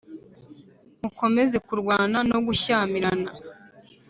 Mukomeza kurwana r no gushyamirana